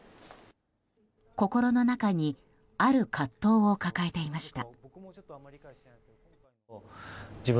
心の中にある葛藤を抱えていました。